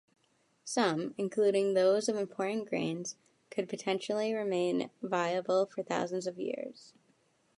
Some, including those of important grains, could potentially remain viable for thousands of years.